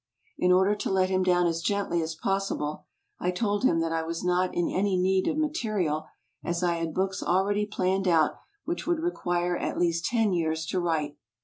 In order to let him down as gendy as possible, I told him that I was not in any need of material, as I had books already planned out which would require at least ten years to write.